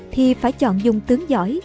thì phải chọn dùng tướng giỏi